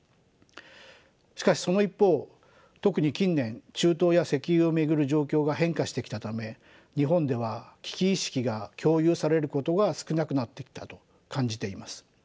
しかしその一方特に近年中東や石油を巡る状況が変化してきたため日本では危機意識が共有されることが少なくなってきたと感じています。